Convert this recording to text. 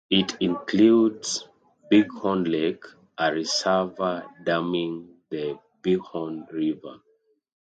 It includes Bighorn Lake, a reservoir damming the Bighorn River.